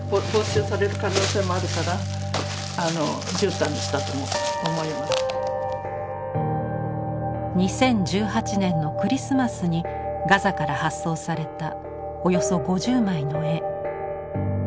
作品としてあれするとなくなる２０１８年のクリスマスにガザから発送されたおよそ５０枚の絵。